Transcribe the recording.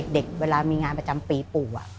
ตอนเด็กเวลามีงานประจำปีปู่